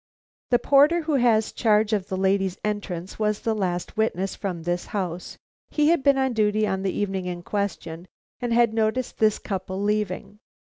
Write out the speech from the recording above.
The porter who has charge of the lady's entrance was the last witness from this house. He had been on duty on the evening in question and had noticed this couple leaving.